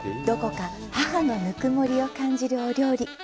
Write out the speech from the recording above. どこか母の温もりを感じるお料理。